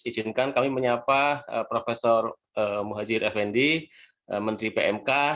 izinkan kami menyapa prof muhajir effendi menteri pmk